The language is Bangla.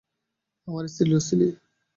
আমার স্ত্রী, লুসিলি।